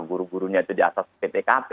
guru gurunya itu di atas ptkp